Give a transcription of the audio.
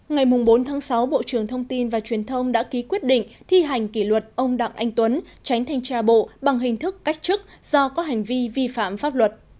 ngày bốn sáu bộ trưởng thông tin và truyền thông đã ký quyết định thi hành kỷ luật ông đặng anh tuấn tránh thanh tra bộ bằng hình thức cách chức do có hành vi vi phạm pháp luật